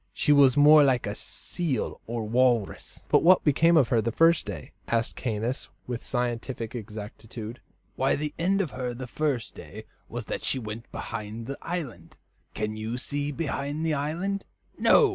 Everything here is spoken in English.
She was more like a seal or walrus." "But what became of her the first day?" asked Caius, with scientific exactitude. "Why, the end of her the first day was that she went behind the island. Can you see behind the island? No."